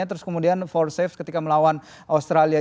terus kemudian empat safe ketika melawan australia